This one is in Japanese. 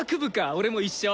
俺も一緒。